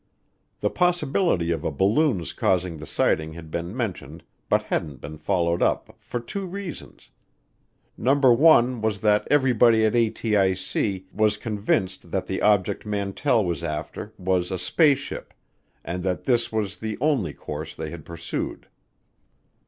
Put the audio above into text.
The possibility of a balloon's causing the sighting had been mentioned but hadn't been followed up for two reasons. Number one was that everybody at ATIC was convinced that the object Mantell was after was a spaceship and that this was the only course they had pursued.